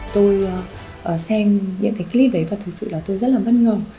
tôi xem những cái clip đấy và thực sự là tôi rất là bất ngờ